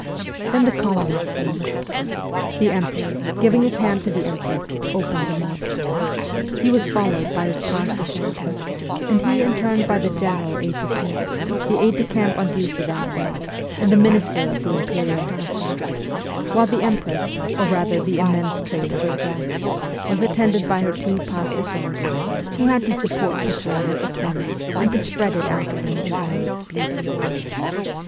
Then the column was formed. The emperor, giving his hand to the empress, opened the march. He was followed by his page de chambre, and he in turn by the general aide de camp, the aide de camp on duty that day, and the minister of the imperial household ; while the empress, or rather the immense train of her dress, was attended by her two pages de chambre, who had to support the train at the turnings and to spread it out again in all its beauty.